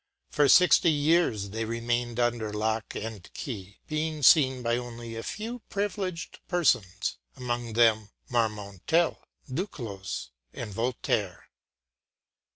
For sixty years they remained under lock and key, being seen by only a few privileged persons, among them Marmontel, Duclos, and Voltaire.